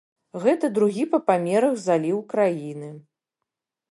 Гэта другі па памерах заліў краіны.